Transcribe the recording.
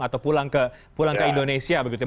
atau pulang ke indonesia begitu